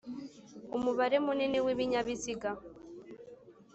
Umubare munini w ibinyabiziga